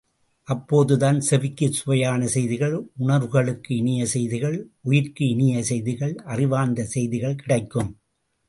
அப்போதுதான் செவிக்குச் சுவையான செய்திகள் உணர்வுகளுக்கு இனிய செய்திகள், உயிர்க்கு இனிய செய்திகள் அறிவார்ந்த செய்திகள் கிடைக்கும்!